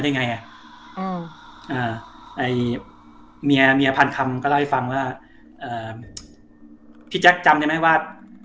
ยังไงอ่ะไอ้เมียเมียพันคำก็เล่าให้ฟังว่าพี่แจ๊คจำได้ไหมว่า